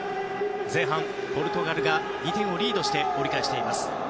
前半、ポルトガルが２点をリードして折り返しています。